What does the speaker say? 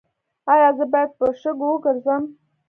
ایا زه باید په شګو وګرځم؟